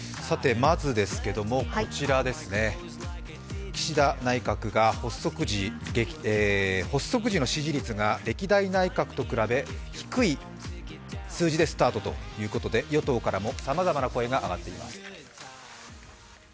まず、岸田内閣の発足時の支持率が歴代内閣と比べ低い数字でスタートということで与党からもさまざまな声が上がっています。